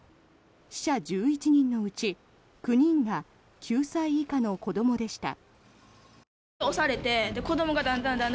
死者１１人のうち９人が９歳以下の子どもでした。